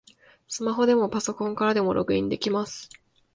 スマホでもパソコンからでもログインできます